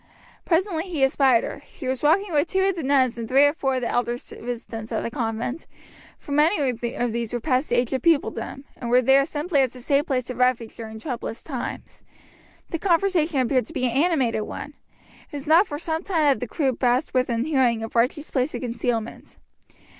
Presently he espied her. She was walking with two of the nuns and three or four of the elder residents at the convent, for many of these were past the age of pupildom; and were there simply as a safe place of refuge during troublous times. The conversation appeared to be an animated one. It was not for some time that the group passed within hearing of Archie's place of concealment.